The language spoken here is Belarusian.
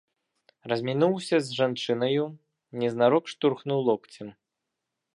Размінуўся з жанчынаю, незнарок штурхнуў локцем.